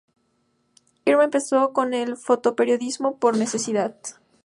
Irma empezó con el fotoperiodismo por necesidad.